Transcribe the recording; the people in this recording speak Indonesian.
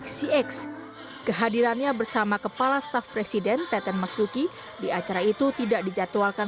xcx kehadirannya bersama kepala staf presiden taten masuki di acara itu tidak dijadwalkan